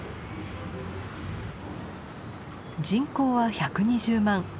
人口は１２０万。